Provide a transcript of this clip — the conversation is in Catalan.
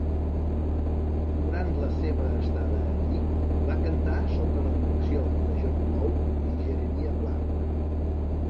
Durant la seva estada allí, va cantar sota la direcció de John Blow i Jeremiah Clarke.